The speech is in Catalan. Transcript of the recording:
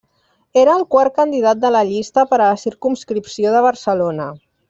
Era el quart candidat de la llista per a la circumscripció de Barcelona.